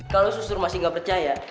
kalau susur masih nggak percaya